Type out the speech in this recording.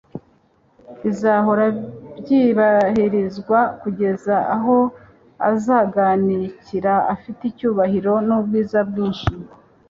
bizahora bytlbahirizwa kugeza aho azaganikira afite icyubahiro n'ubwiza bwinshi.